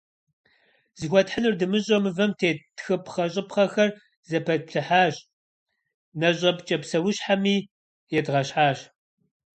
Зыхуэтхьынур дымыщӏэу мывэм тет тхыпхъэщӏыпхъэхэр зэпэтплъыхьащ, нэщӏэпкӏэ псэущхьэми едгъэщхьащ.